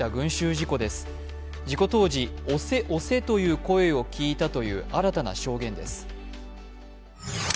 事故当時、「押せ押せ」という声を聞いたという新たな証言です。